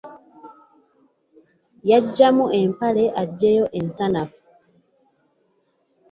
Yaggyamu empale eggyeyo ensanafu.